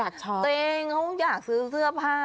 อยากช็อปติ๊งเขาอยากซื้อเสื้อผ้า